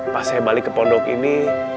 pas saya balik ke pondok ini